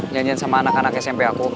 nyanyian sama anak anak smp aku